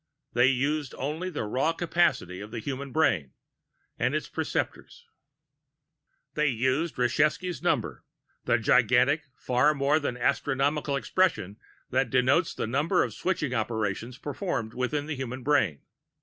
They used only the raw capacity of the human brain and its perceptors. They used Rashevsky's Number, the gigantic, far more than astronomical expression that denoted the number of switching operations performable within the human brain.